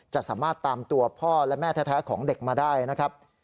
จะสามารถตามตัวพ่อและแม่แท้ของเด็กมาได้นะครับ